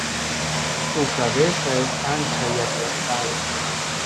Su cabeza es ancha y aplastada.